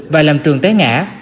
và làm trường té ngã